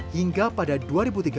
hingga pilih kudu lempang